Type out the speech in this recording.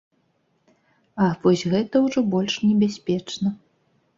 А вось гэта ўжо больш небяспечна.